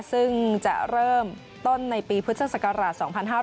ซึ่งจะเริ่มต้นในปีพฤศกราช๒๕๖๔